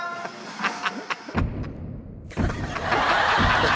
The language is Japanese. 「ハハハッ！」